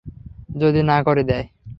যদি না করে দেয়?